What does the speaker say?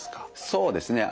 そうですね